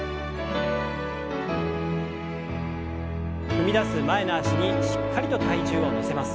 踏み出す前の脚にしっかりと体重を乗せます。